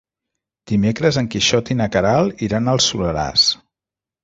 Dimecres en Quixot i na Queralt iran al Soleràs.